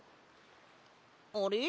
あれ？